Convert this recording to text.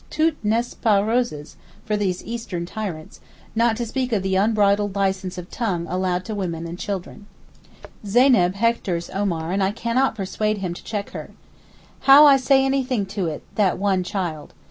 Tout n'est pas roses for these Eastern tyrants, not to speak of the unbridled license of tongue allowed to women and children. Zeyneb hectors Omar and I cannot persuade him to check her. 'How I say anything to it, that one child?